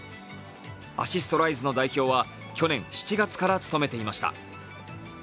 アシストライズの代表は去年７月から務めていました。